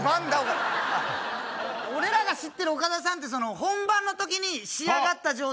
俺らが知ってる岡田さんってその本番の時に仕上がった状態ってこと？